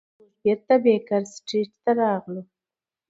موږ بیرته بیکر سټریټ ته راغلو.